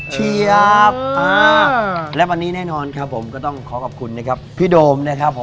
เชียบและวันนี้แน่นอนครับผมก็ต้องขอขอบคุณนะครับพี่โดมนะครับผม